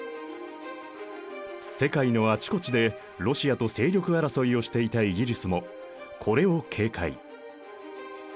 世界のあちこちでロシアと勢力争いをしていたイギリスもこれを警戒。